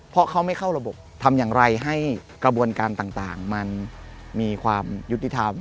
เพราะเขาไม่เข้าระบบทำอย่างไรให้กระบวนการต่างมันมีความยุติธรรม